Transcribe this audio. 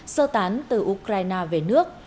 sơ tán từ ukraine về nước